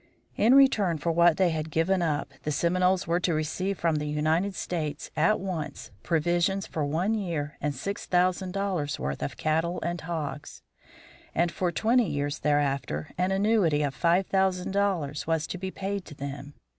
In return for what they had given up the Seminoles were to receive from the United States at once, provisions for one year and six thousand dollars worth of cattle and hogs; and for twenty years thereafter, an annuity of five thousand dollars was to be paid to them.